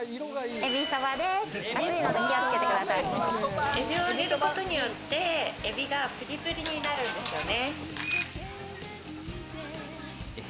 エビを揚げることによってエビがプリプリになるんですよね。